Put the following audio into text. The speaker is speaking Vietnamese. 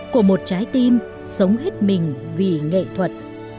của một trái tim sống hết mình vì nghệ thuật